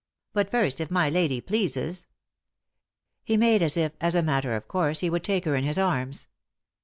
But, first, if my lady pleases." He made as it, as a matter ot course, he would take her in his arms.